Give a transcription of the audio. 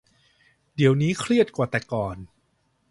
เดี๋ยวนี้เครียดกว่าแต่ก่อน